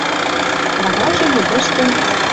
Варажы йыдышты